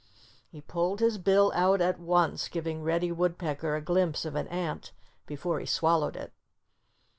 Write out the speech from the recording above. He pulled his bill out at once, giving Reddy Woodpecker a glimpse of an ant before he swallowed it.